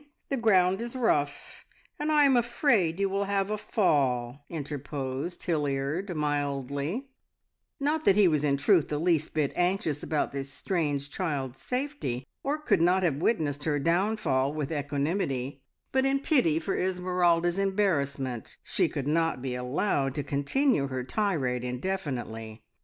The ground is rough, and I'm afraid you will have a fall," interposed Hilliard mildly; not that he was in truth the least bit anxious about this strange child's safety, or could not have witnessed her downfall with equanimity, but in pity for Esmeralda's embarrassment she could not be allowed to continue her tirade indefinitely.